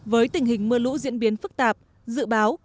với tình hình mưa lũ diễn biến phức tạp dự báo